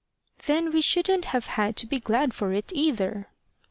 "Then we shouldn't have had to be glad for it, either."